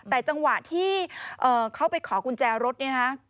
แต่จังหวะที่เขาไปขอกุญแจรถเนี่ยฮะ